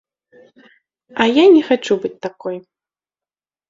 А я не хачу быць такой!